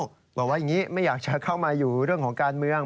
บอกว่าอย่างนี้ไม่อยากจะเข้ามาอยู่เรื่องของการเมือง